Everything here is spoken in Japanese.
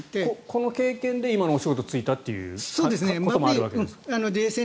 この経験で今のお仕事に就いたということもあるわけですね。